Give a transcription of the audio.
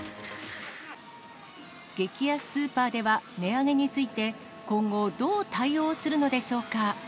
激安スーパーでは、値上げについて、今後、どう対応するのでしょうか。